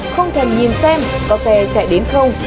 không thèm nhìn xem có xe chạy đến không